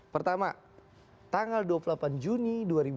pertama tanggal dua puluh delapan juni dua ribu dua puluh